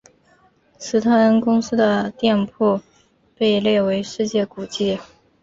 斯特恩公司的店铺被列为历史古迹。